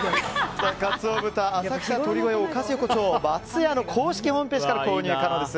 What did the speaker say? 鰹豚は浅草鳥越おかず横丁松屋の公式ホームページから購入可能です。